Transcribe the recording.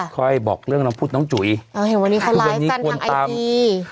ค่ะค่อยบอกเรื่องน้องพุทธน้องจุ๋ยโอเควันนี้เขาไลค์สั่นทางไอซี